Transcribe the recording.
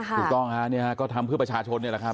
ถูกต้องค่ะก็ทำเพื่อประชาชนเนี่ยแหละครับ